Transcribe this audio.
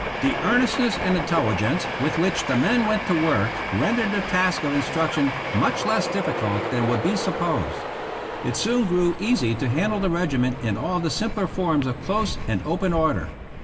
The earnest ness and intelligence with which the men went to work rendered the task of instruction much less 32 RAISING THE REGIMENT aifficuk than would be supposed. It soon grew easy to handle the regiment in all the simpler forms of close and open order.